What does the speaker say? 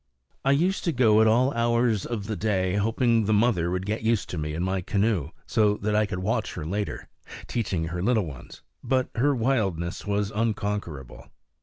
I used to go at all hours of the day, hoping the mother would get used to me and my canoe, so that I could watch her later, teaching her little ones; but her wildness was unconquerable.